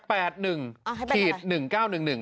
มาเป็น๘๑๔๘๑๑